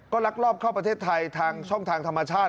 ลักลอบเข้าประเทศไทยทางช่องทางธรรมชาติ